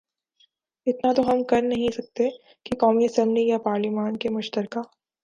اتنا تو ہم کرنہیں سکتے کہ قومی اسمبلی یا پارلیمان کے مشترکہ